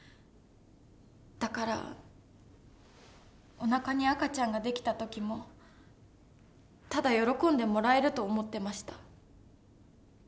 だからおなかに赤ちゃんができた時もただ喜んでもらえると思ってました。